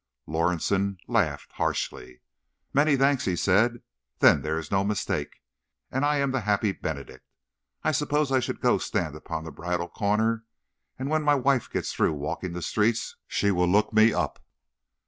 Lorison laughed harshly. "Many thanks," he said. "Then there is no mistake, and I am the happy benedict. I suppose I should go stand upon the bridal corner, and when my wife gets through walking the streets she will look me up."